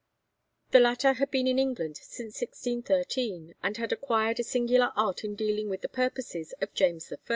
The latter had been in England since 1613, and had acquired a singular art in dealing with the purposes of James I.